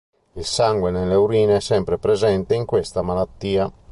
Il sangue nelle urine è sempre presente in questa malattia.